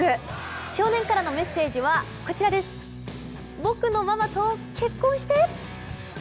少年からのメッセージは僕のママと結婚して。